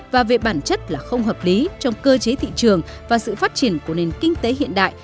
và về bản chất là không hợp lý trong cơ chế thị trường và sự phát triển của nền kinh tế hiện đại